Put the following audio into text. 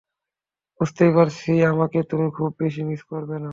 বুঝতেই পারছি আমাকে তুমি খুব বেশি মিস করবে না।